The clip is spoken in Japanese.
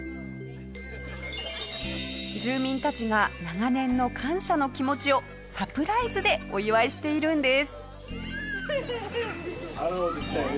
住民たちが長年の感謝の気持ちをサプライズでお祝いしているんです。